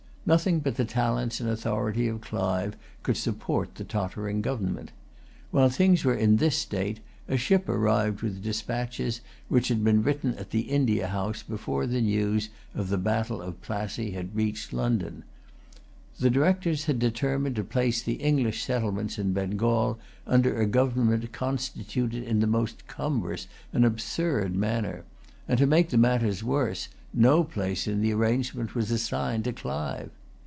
Nothing but the talents and authority of Clive could support the tottering government. While things were in this state, a ship arrived with despatches which had been written at the India House before the news of the battle of Plassey had reached London. The Directors had determined to place the English settlements in Bengal under a government constituted in the most cumbrous and absurd manner; and to make the matter worse, no place in the arrangement was assigned to Clive.